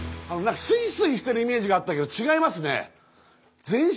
スイスイしてるイメージがあったけど違いますね。